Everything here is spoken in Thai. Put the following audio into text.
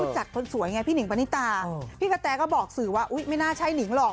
จากคนสวยไงพี่หนิงปณิตาพี่กะแตก็บอกสื่อว่าอุ๊ยไม่น่าใช่หนิงหรอก